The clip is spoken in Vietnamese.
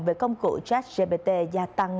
về công cụ jack gpt gia tăng